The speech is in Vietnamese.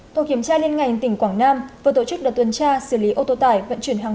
tổ kiểm tra liên ngành tỉnh quảng nam vừa tổ chức đợt tuần tra xử lý ô tô tải vận chuyển hàng